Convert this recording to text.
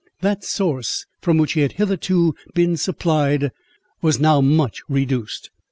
That source from which he had hitherto been supplied, was now much reduced.